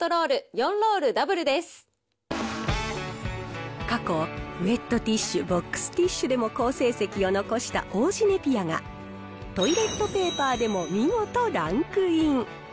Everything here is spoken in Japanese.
４ロー過去、ウエットティッシュ、ボックスティッシュでも好成績を残した王子ネピアが、トイレットペーパーでも見事ランクイン。